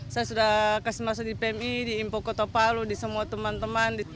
saya sudah kasih masuk di pmi di impo kota palu di semua teman teman